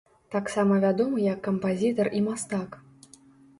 Таксама вядомы як кампазітар і мастак.